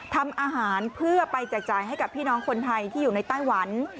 ทำอาหารเพื่อไปแจกจ่ายให้กับพี่น้องคนไทยที่อยู่ในไต้หวัน